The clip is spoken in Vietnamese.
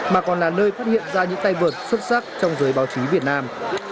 mà còn là nơi phát hiện ra những tay vượt xuất sắc trong giới báo chí việt nam